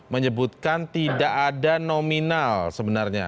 menyebutkan tidak ada nominal sebenarnya